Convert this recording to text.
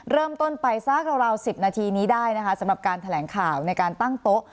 เริ่มต้นไปสักราว๑๐นาทีนี้ได้นะคะสำหรับการแถลงข่าวในการตั้งโต๊ะ